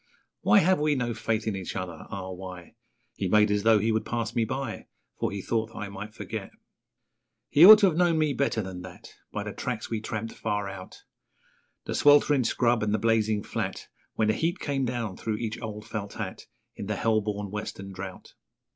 Why have we no faith in each other? Ah, why? He made as though he would pass me by, For he thought that I might forget. He ought to have known me better than that, By the tracks we tramped far out The sweltering scrub and the blazing flat, When the heat came down through each old felt hat In the hell born western drought.